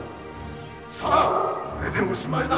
さあこれでおしまいだ。